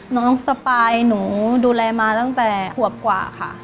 น้องสปายหนูดูแลมาตั้งแต่ขวบกว่าค่ะ